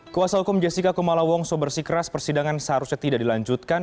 kuasa hukum jessica kumalawongso bersikeras persidangan seharusnya tidak dilanjutkan